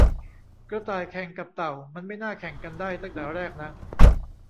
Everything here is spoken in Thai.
กระต่ายแข่งกับเต่า มันไม่น่าแข่งกันได้ตั้งแต่แรกนะ